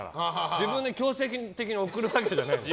自分で強制的に送るわけじゃないから。